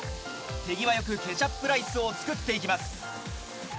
手際よくケチャップライスを作っていきます。